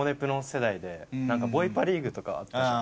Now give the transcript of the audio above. ボイパリーグとかあったじゃん。